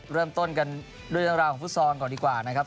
เริ่มต้นกันด้วยเรื่องราวของฟุตซอลก่อนดีกว่านะครับ